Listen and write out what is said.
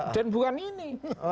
dan bukan ini